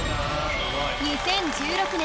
２０１６年